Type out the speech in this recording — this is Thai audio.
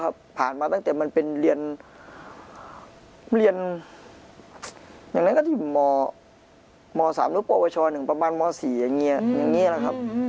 ก็ผ่านมาตั้งแต่มันเป็นเรียนเรียนอย่างนั้นก็ยังมันเป็นมัว๓วัชิฟินของประมาณมัว๔อย่างนี้อย่างนี้แหละครับ